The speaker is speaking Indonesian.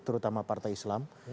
terutama partai islam